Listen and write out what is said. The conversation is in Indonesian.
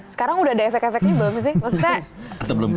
sekarang udah ada efek efeknya belum sih maksudnya